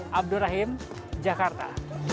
hai abdurrahim jakarta